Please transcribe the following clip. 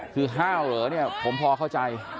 คือห้าวเหรอผมพอเข้าใจ